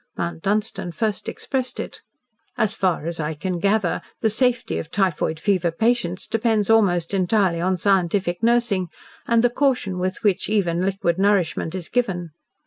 Mount Dunstan first expressed it. "As far as I can gather, the safety of typhoid fever patients depends almost entirely on scientific nursing, and the caution with which even liquid nourishment is given.